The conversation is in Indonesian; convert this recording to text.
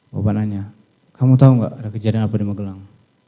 bapak nanya kamu tahu nggak ada kejadian apa di magelang